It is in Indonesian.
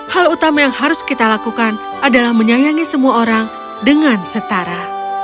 hal utama yang harus kita lakukan adalah menyayangi semua orang dengan setara